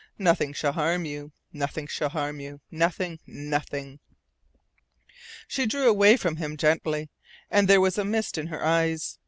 Nothing shall harm you. Nothing shall harm you, nothing, nothing!" She drew away from him gently, and there was a mist in her eyes.